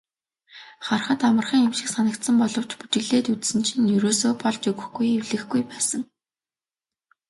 Hарахад амархан юм шиг санагдсан боловч бүжиглээд үзсэн чинь ерөөсөө болж өгөхгүй эвлэхгүй байсан.